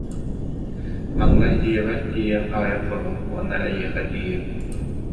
Маҥнай ийэбэр тиийэн аҕыйах хонуом уонна эйиэхэ тиийиэм